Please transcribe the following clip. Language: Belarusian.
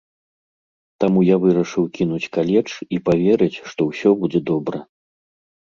Таму я вырашыў кінуць каледж і паверыць, што ўсё будзе добра.